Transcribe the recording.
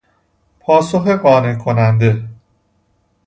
پاسخ قانع کننده